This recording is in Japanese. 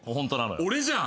俺じゃん。